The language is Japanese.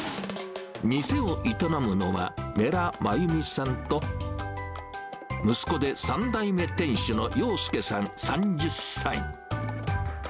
店を営むのは女良真弓さんと、息子で３代目店主の要介さん３０歳。